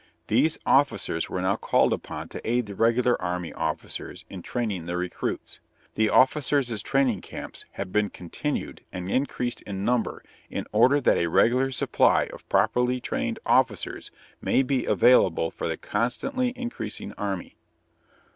These officers were now called upon to aid the regular army officers in training the recruits. The officers' training camps have been continued and increased in number in order that a regular supply of properly trained officers may be available for the constantly increasing army.